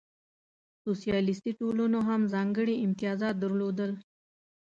سوسیالیستي ټولنو هم ځانګړې امتیازات درلودل.